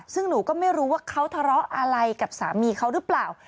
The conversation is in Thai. ซึ่งหนูก็ไม่รู้ว่าเขาทะเลาะอะไรกับสามีเขาหรือเปล่า